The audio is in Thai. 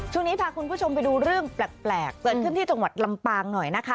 ช่วงนี้พาคุณผู้ชมไปดูเรื่องแปลกเกิดขึ้นที่จังหวัดลำปางหน่อยนะคะ